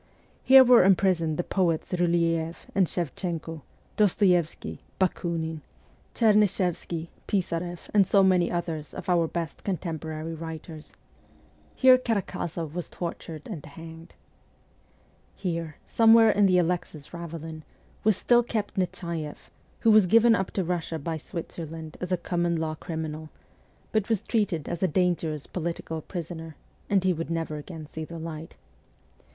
Here were imprisoned the poets Ryleeff and Shevchenko, Dostoevsky, Bakunin, 142 MEMOIRS OF A REVOLUTIONIST Chernyshevsky, Pisareff, and so many others of our best contemporary writers. Here Karakozoff was tortured and hanged. Here, somewhere in the Alexis ravelin, was still kept Nechaieff, who was given up to "Russia by Switzerland as a common law criminal, but was treated as a dangerous political prisoner, and would never again see the light.